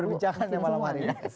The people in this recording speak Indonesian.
perbincangannya malam hari ini